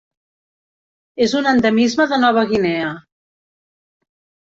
És un endemisme de Nova Guinea.